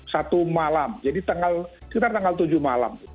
satu malam jadi sekitar tanggal tujuh malam